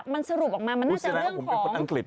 มันสรุปออกมามันน่าจะเรื่องของ